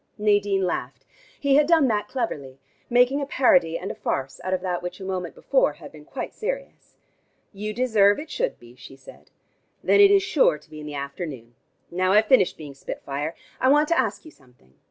Nadine laughed: he had done that cleverly, making a parody and a farce out of that which a moment before had been quite serious. "You deserve it should be," she said. "Then it is sure to be in the afternoon. Now I've finished being spit fire I want to ask you something.